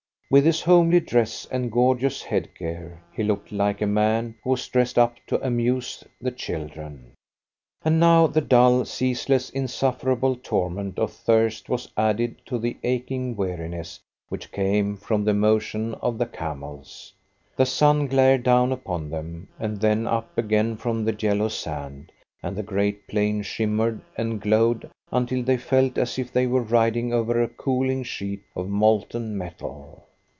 With his homely dress and gorgeous headgear, he looked like a man who has dressed up to amuse the children. And now the dull, ceaseless, insufferable torment of thirst was added to the aching weariness which came from the motion of the camels. The sun glared down upon them, and then up again from the yellow sand, and the great plain shimmered and glowed until they felt as if they were riding over a cooling sheet of molten metal.